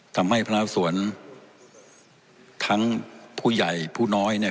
ทำให้พระสวนทั้งผู้ใหญ่ผู้น้อยเนี่ย